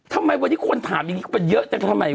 ทำไมวันนี้คนถามอย่างนี้มันเยอะจังทำไม